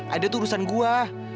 aida itu urusan gua